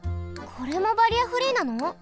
これもバリアフリーなの？